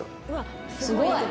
すごい。